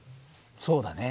そうだね。